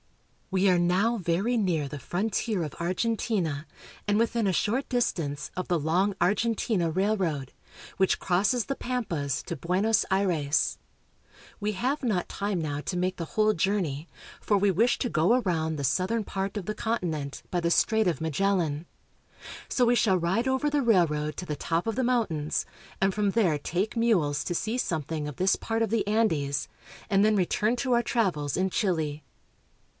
We are now very near the frontier of Argentina and within a short distance of the long Argentina Railroad, which crosses the pampas to Buenos Aires. We have not Uspallata Pass. ACROSS SOUTH AMERICA. 119 time now to make the whole journey, for we wish to go around the southern part of the continent by the Strait of Magellan. So we shall ride over the railroad to the top of the mountains and from there take mules to see something of this part of the Andes, and then return to our travels in Chile.